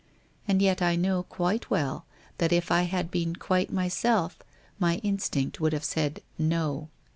And yet I know quite well that if I had been quite myself, my instinct would have said No.